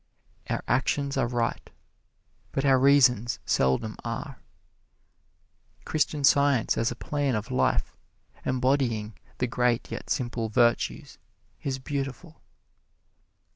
Our actions are right, but our reasons seldom are. Christian Science as a plan of life, embodying the great yet simple virtues, is beautiful.